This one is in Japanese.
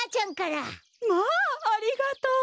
まあありがとう。